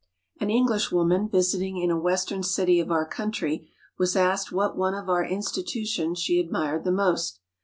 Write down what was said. An English woman, visiting in a western city of our country, was asked what one of our institutions she admired the most.